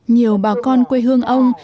nhiều bà con quê hương ông